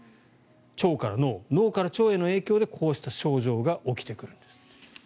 腸から脳、脳から腸への影響でこうした症状が起きてくるんです。